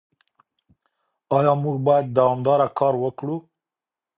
ايا موږ بايد دوامداره کار وکړو؟